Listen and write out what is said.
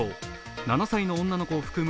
６歳の女の子を含む